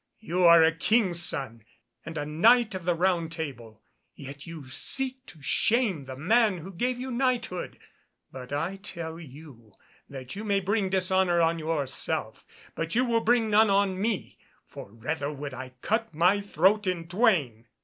You are a King's son and a Knight of the Round Table, yet you seek to shame the man who gave you knighthood. But I tell you that you may bring dishonour on yourself, but you will bring none on me, for rather would I cut my throat in twain."